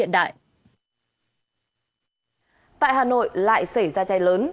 tại hà nội lại xảy ra chai lớn